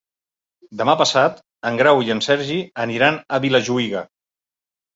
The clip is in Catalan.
Demà passat en Grau i en Sergi aniran a Vilajuïga.